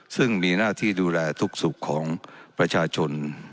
ซึ่งมีหน้าที่ดูแลทุกสุขของประชาชน